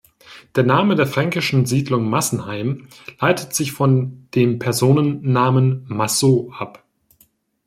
Der Name der fränkischen Siedlung Massenheim leitet sich von dem Personennamen Masso ab.